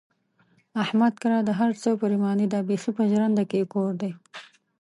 احمد کره د هر څه پرېماني ده، بیخي په ژرنده کې یې کور دی.